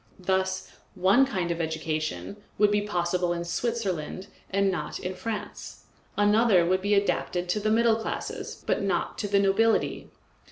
Thus one kind of education would be possible in Switzerland and not in France; another would be adapted to the middle classes but not to the nobility.